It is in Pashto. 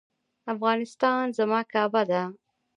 افغانستان زما کعبه ده؟